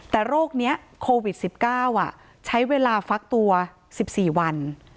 แต่โรคนี้โควิด๑๙ใช้เวลาฟักตัว๑๔วัน